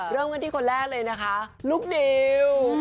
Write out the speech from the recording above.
เริ่มกันที่คนแรกเลยนะคะลูกดิว